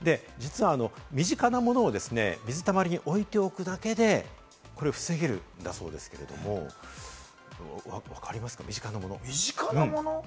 実は身近なものを水たまりに置いておくだけで、これを防げるんだそうですけれども、分かりますか？